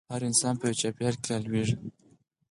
هر انسان په يوه چاپېريال کې رالويېږي.